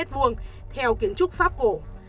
theo kiến trúc pháp cổ